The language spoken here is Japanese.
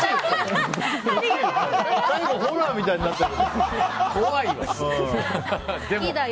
最後ホラーみたいになってるよ。